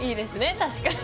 確かに。